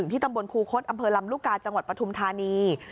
ที่ตำบลคูคศอำเภอลำลูกกาจังหวัดปฐุมธานี